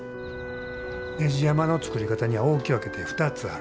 ねじ山の作り方には大き分けて２つある。